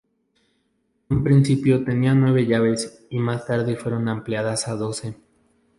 En un principio tenía nueve llaves y más tarde fueron ampliadas a doce.